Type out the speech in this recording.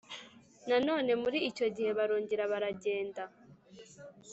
Nanone muri icyo gihe barongera baragenda